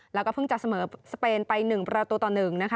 แล้วก็เพิ่งจะเสมอสเปนไป๑ประตูต่อ๑นะคะ